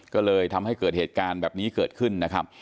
ก็เลยทำให้เกิดเหตุการณ์แบบนี้เกิดขึ้นนะครับ